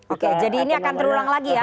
oke jadi ini akan terulang lagi ya